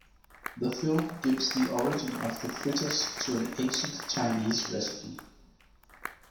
The film gives the origin of the fritters to an ancient Chinese recipe.